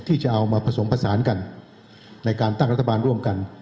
ที่จะเอามาผสมผสานกันในการตั้งรัฐบาลร่วมกัน